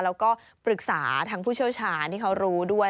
แล้วก็ปรึกษาทางผู้เชี่ยวชาญที่เขารู้ด้วย